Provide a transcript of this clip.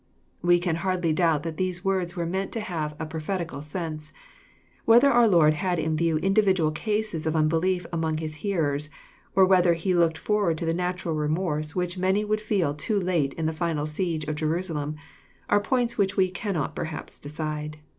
We can hardly doubt that these words were meant to have a prophetical sense. Whether our Lord had in view individual caSes of unbelief amongjiis hearers, or whether He looked forward to the national remorse which many would feel too late in the final siege oT Jerusalem, are points which we cannot perhaps decide.